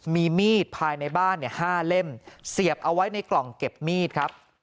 มีมีดภายในบ้าน๕เล่มเสียบเอาไว้ในกล่องเก็บมีดครับ